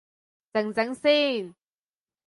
靜靜先